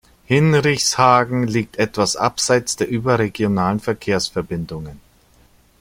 Hinrichshagen liegt etwas abseits der überregionalen Verkehrsverbindungen.